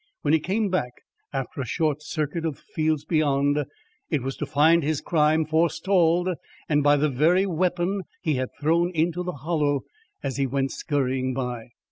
When he came back after a short circuit of the fields beyond, it was to find his crime forestalled and by the very weapon he had thrown into the Hollow as he went skurrying by.